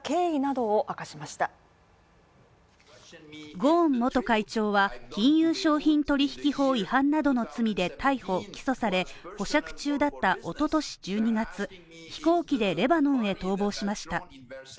ゴーン元会長は金融商品取引法違反などの罪で逮捕起訴され保釈中だった一昨年１２月、飛行機でレバノンへ逃亡しました